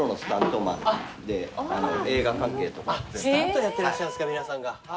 スタントやってらっしゃるんですか皆さんが。